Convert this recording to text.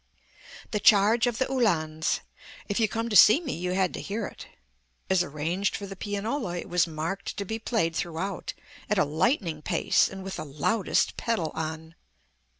"The Charge of the Uhlans." If you came to see me, you had to hear it. As arranged for the pianola, it was marked to be played throughout at a lightning pace and with the loudest pedal on.